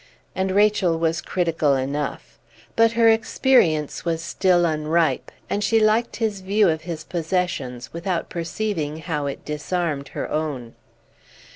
And Rachel was critical enough; but her experience was still unripe, and she liked his view of his possessions, without perceiving how it disarmed her own.